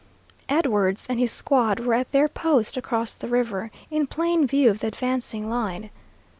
Edwards and his squad were at their post across the river, in plain view of the advancing line.